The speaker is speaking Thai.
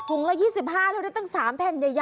ละ๒๕แล้วได้ตั้ง๓แผ่นใหญ่